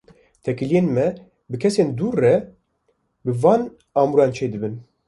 Têkiliyên me bi kesên dûr re, bi van amûran çêdibin.